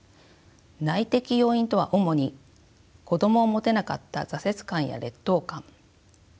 内的要因とは主に子どもを持てなかった挫折感や劣等感。